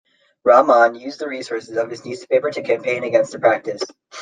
Rahman used the resources of his newspaper to campaign against the practice.